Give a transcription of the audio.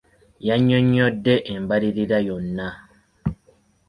Yannyonnyodde embalirira yonna.